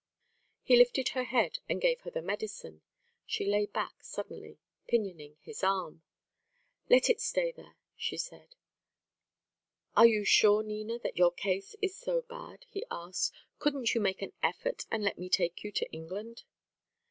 He lifted her head, and gave her the medicine. She lay back suddenly, pinioning his arm. "Let it stay there," she said. "Are you sure, Nina, that your case is so bad?" he asked. "Couldn't you make an effort, and let me take you to England?"